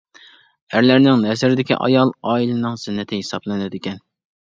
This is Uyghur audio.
ئەرلەرنىڭ نەزىرىدىكى ئايال ئائىلىنىڭ زىننىتى ھېسابلىنىدىكەن.